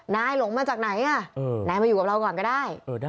นายหลงมาจากไหนนายมาอยู่กับเราก่อนก็ได้